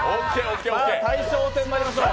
大将戦、まいりましょう。